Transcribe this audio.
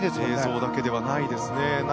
映像だけではないですね。